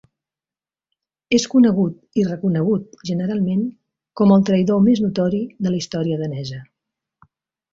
És conegut i reconegut generalment com el traïdor més notori de la història danesa.